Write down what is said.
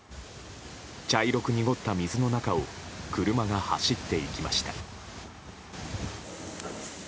茶色く濁った水の中を車が走っていきました。